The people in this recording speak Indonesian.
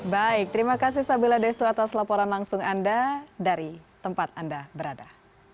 baik terima kasih sabila destu atas laporan langsung anda dari tempat anda berada